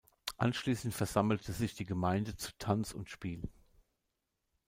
Anschließend versammelte sich die Gemeinde zu Tanz und Spiel“.